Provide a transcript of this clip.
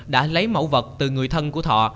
đã lấy mẫu vật từ người thân của thọ